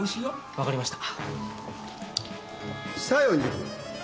分かりました。